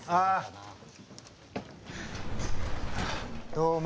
どうも！